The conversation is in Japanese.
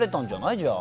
じゃあ。